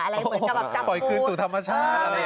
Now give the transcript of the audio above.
ปล่อยคืนสู่ธรรมชาติ